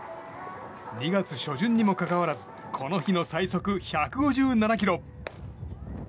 ２月初旬にもかかわらずこの日の最速１５７キロ。